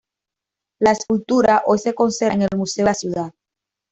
La escultura hoy se conserva en el Museo de la Ciudad.